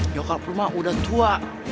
nyokap lu mah udah tua